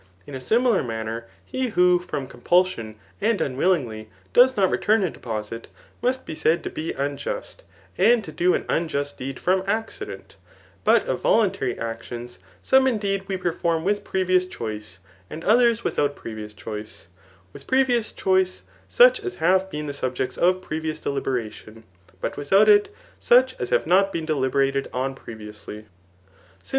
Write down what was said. In a similar manner he who, from compulsion and unwillingly, does not return a deposit, must be ssud to be unjust, and to do an unjust deed from accident. But of voluntary actions, some indeed we perform with previous choice^ and oth^ with* out previous chmce ; with pluvious chdce, such as have been the std)ject8 of previous deliberation, but without it, such as have not been d^berated on previously* Digitized by Google 160 TU£ NICOMACHEAN BOOK V.